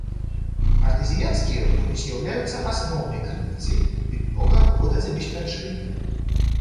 Артэзіянскія воды з'яўляюцца асноўнай крыніцай пітнога водазабеспячэння.